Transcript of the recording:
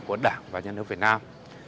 của đảng và nhà nước việt nam